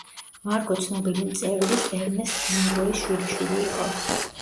მარგო ცნობილი მწერლის ერნესტ ჰემინგუეის შვილიშვილი იყო.